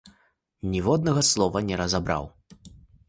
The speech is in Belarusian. Ніводнага слова не разабраў.